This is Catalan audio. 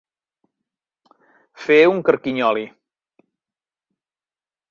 Fer un carquinyoli.